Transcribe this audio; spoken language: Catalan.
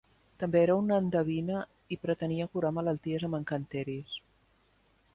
També era una endevina i pretenia curar malalties amb encanteris.